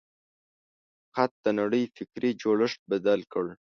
خط د نړۍ فکري جوړښت بدل کړ.